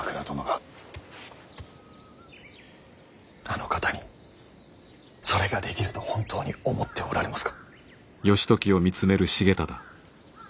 あの方にそれができると本当に思っておられますか？